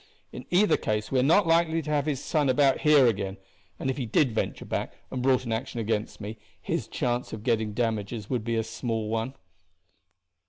In either case we are not likely to have his son about here again; and if he did venture back and brought an action against me, his chance of getting damages would be a small one."